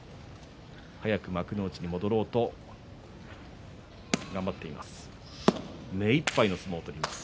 早く幕内に戻ろうと頑張っています。